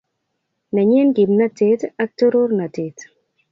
Nenyi kimnatet. ak torornatet.